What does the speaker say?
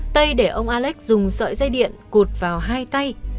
tây để ông alex dùng sợi dây điện cột vào hai tay